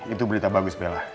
itu berita bagus bella